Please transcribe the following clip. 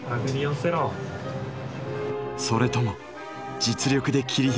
それとも「実力」で切り開くものなのか。